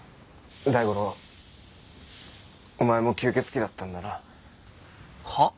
大五郎お前も吸血鬼だったんだな。はあ？